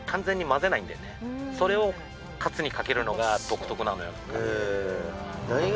それをカツにかけるのが独特なのよ。